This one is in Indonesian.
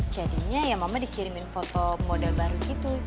jadinya ya mama dikirimin foto model baru gitu